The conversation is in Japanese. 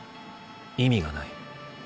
意味がない。